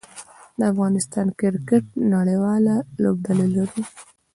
افغانستان د کرکټ نړۍواله لوبډله لري.